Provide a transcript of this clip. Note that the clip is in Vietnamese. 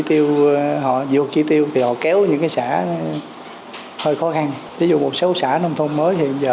tiêu họ vượt chỉ tiêu thì họ kéo những cái xã hơi khó khăn ví dụ một số xã nông thôn mới thì bây giờ